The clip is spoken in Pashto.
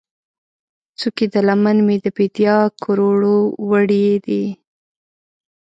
څوکې د لمن مې، د بیدیا کروړو ، وړې دي